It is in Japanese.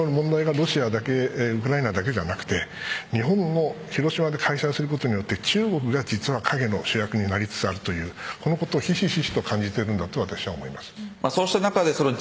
この問題がロシアウクライナだけじゃなくて日本の広島で開催することによって中国実は陰の主役になりつつあるこのことをひしひしと感じているんだと思います。